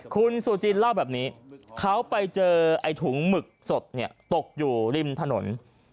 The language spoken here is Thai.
คุณซูจินเล่าแบบนี้เขาไปเจอไอ้ถุงหมึกสดตกอยู่ริมถนน